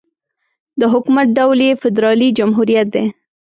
د حکومت ډول یې فدرالي جمهوريت دی.